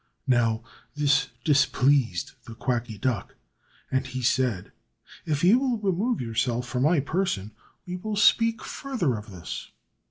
Now, this displeased the Quacky Duck, and he said, "If you will remove yourself from my person, we will speak further of this."